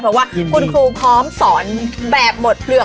เพราะว่าคุณครูพร้อมสอนแบบหมดเปลือก